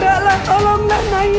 api aku nggak mau